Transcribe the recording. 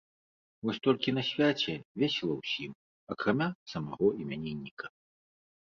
Вось толькі на свяце весела ўсім, акрамя самаго імянінніка.